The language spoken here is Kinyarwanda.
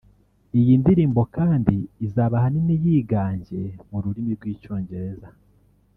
Iyi ndirimbo kandi izaba ahanini yiganjye mu rurimi rw’Icyongereza